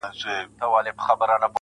خدایه چي د مرگ فتواوي ودروي نور.